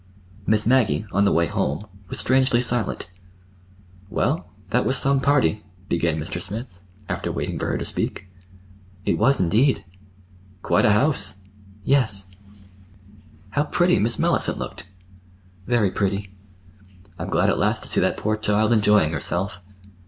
Miss Maggie, on the way home, was strangely silent. "Well, that was some party," began Mr. Smith after waiting for her to speak. "It was, indeed." "Quite a house!" "Yes." [Illustration with caption: "JIM, YOU'LL HAVE TO COME!"] "How pretty Miss Mellicent looked!" "Very pretty." "I'm glad at last to see that poor child enjoying herself."